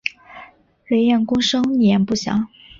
雷彦恭生年不详。